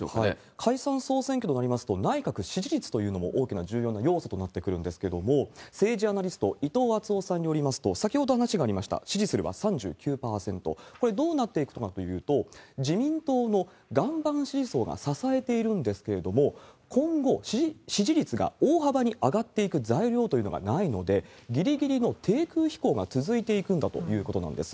解散・総選挙となりますと、内閣支持率というのも大きな重要な要素となってくるんですけれども、政治アナリスト、伊東惇夫さんによりますと、先ほど話がありました、支持するが３９％、これ、どうなっていくのかというと、自民党の岩盤支持層が支えているんですけれども、今後、支持率が大幅に上がっていく材料というのがないので、ぎりぎりの低空飛行が続いていくんだということなんです。